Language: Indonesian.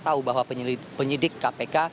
tahu bahwa penyidik kpk